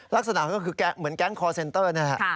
ลักษณะก็คือเหมือนแก๊งคอร์เซ็นเตอร์นะฮะ